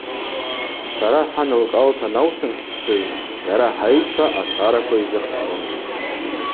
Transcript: Сара хӏан лкӏалта анаусымщтсыз, йара хӏайтхӏва асараква йзыхчун.